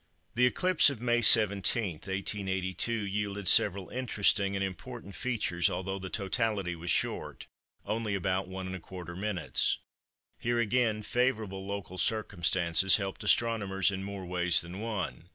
The eclipse of May 17, 1882, yielded several interesting and important features although the totality was short—only about 1¼ minutes. Here again favourable local circumstances helped astronomers in more ways than one.